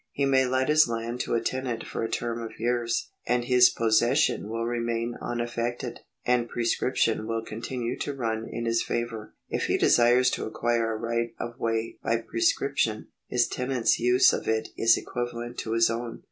He may let his land to a tenant for a term of years, and his possession will remain unaffected, and prescription will con tinue to run in his favour. If he desires to acquire a right of way by pre scription, his tenant's use of it is equivalent to his own.